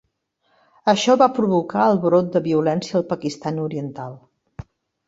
Això va provocar el brot de violència al Pakistan oriental.